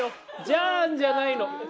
「ジャーン！」じゃないの。